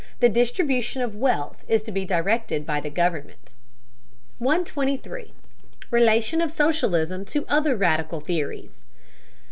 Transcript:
The distribution of wealth is to be directed by the government. 123. RELATION OF SOCIALISM TO OTHER RADICAL THEORIES.